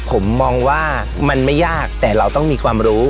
ผมมองว่ามันไม่ยากแต่เราต้องมีความรู้